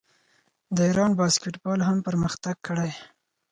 د ایران باسکیټبال هم پرمختګ کړی.